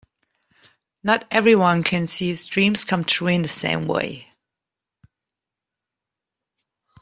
Not everyone can see his dreams come true in the same way.